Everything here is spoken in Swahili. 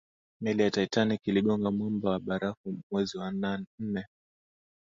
meli ya titanic iligonga mwamba wa barafu mwezi wa nne